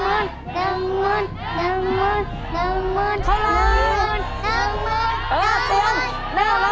อ้าวเสี้ยงน่ารักนะ